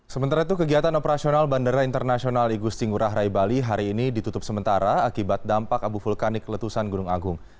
sementara itu kegiatan operasional bandara internasional igusti ngurah rai bali hari ini ditutup sementara akibat dampak abu vulkanik letusan gunung agung